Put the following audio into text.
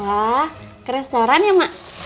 wah ke restoran ya mak